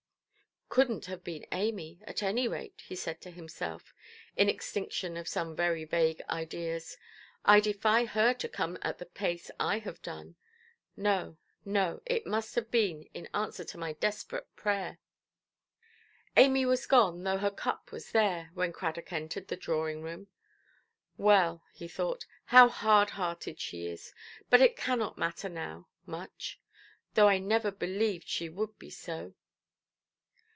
"Couldnʼt have been Amy, at any rate", he said to himself, in extinction of some very vague ideas; "I defy her to come at the pace I have done. No, no; it must have been in answer to my desperate prayer". Amy was gone, though her cup was there, when Cradock entered the drawing–room. "Well", he thought, "how hard–hearted she is! But it cannot matter now, much. Though I never believed she would be so".